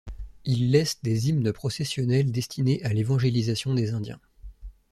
Il laisse des hymnes processionnels destinés à l'évangélisation des indiens.